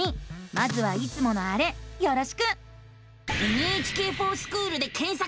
まずはいつものあれよろしく！